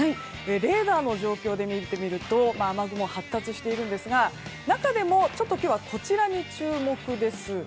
レーダーの状況で見てみると雨雲が発達しているんですが中でも、こちらに注目です。